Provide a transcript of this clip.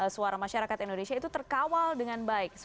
suara masyarakat indonesia itu terkawal dengan baik